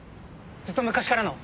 ずっと昔からの。